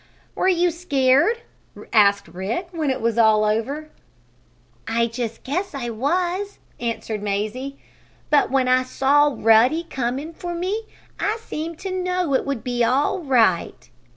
"Were you scared?" asked Rick, when it was all over. "I just guess I was!" answered Mazie. "But when I saw Ruddy coming for me I seemed to know it would be all right.